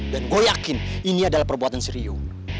dan gue yakin ini adalah perbuatan serius